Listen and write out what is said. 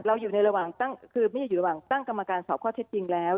เราไม่อยู่ระหว่างตั้งกรรมการสอบข้อเท็จจริงแล้ว